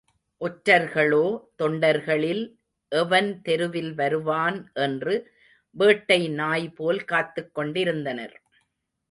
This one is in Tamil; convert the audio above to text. ஒற்றர்களோ தொண்டர்களில் எவன் தெருவில் வருவான் என்று வேட்டை நாய்போல் காத்துக் கொண்டிருந்தனர்.